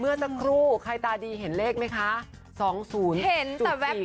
เมื่อสักครู่ใครตาดีเห็นเลขมั้ยคะสองศูนย์หินแต่แว๊บเตี้ยวเอง